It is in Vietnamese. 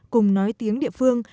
cùng nói tiếng địa phương